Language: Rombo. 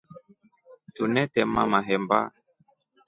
Tunetema mahemba.